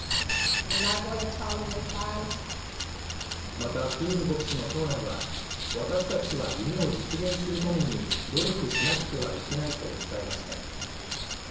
また、キング牧師の長男は、私たちは夢を実現するために努力しなくてはいけないと訴えました。